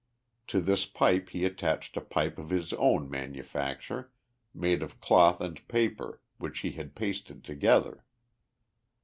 To this pipe he attached a pipe of his own manufacture, made of cloth and paper, which he had pasted together.